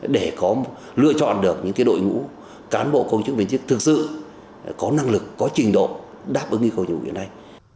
để có lựa chọn được những cái đội ngũ cán bộ công chức bên chức thực sự có năng lực có trình độ đáp ứng ý cầu nhuận như thế này